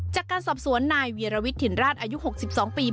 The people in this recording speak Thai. จากการสอบสวนนายวีรวิทย์ถิ่นราชอายุ๖๒ปี